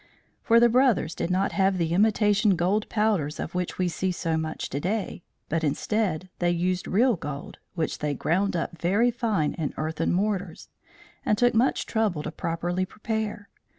For the brothers did not have the imitation gold powders of which we see so much to day; but instead, they used real gold, which they ground up very fine in earthen mortars, and took much trouble to properly prepare.